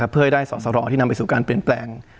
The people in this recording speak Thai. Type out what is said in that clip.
เพื่อให้ได้สอสรที่นำไปสู่การเปลี่ยนแปลง